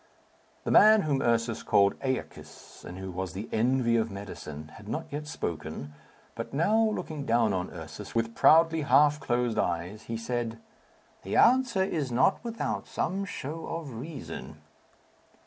The man whom Ursus called Æacus, and who was the envy of medicine, had not yet spoken, but now looking down on Ursus, with proudly half closed eyes, he said, "The answer is not without some show of reason."